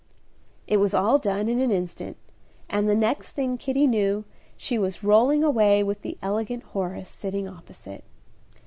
It was all done in an instant, and the next thing Kitty knew she was rolling away with the elegant Horace sitting opposite.